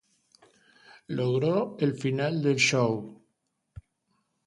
Logró el final del show.